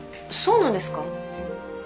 そうなんですか？